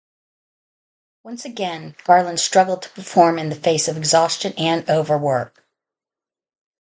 Once again, Garland struggled to perform in the face of exhaustion and overwork.